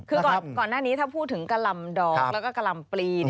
คือก่อนหน้านี้ถ้าพูดถึงกะลำดอกแล้วก็กะลำปลี